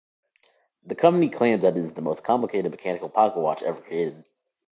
The company claims that it is the most complicated mechanical pocket watch ever created.